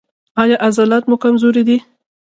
ایا عضلات مو کمزوري دي؟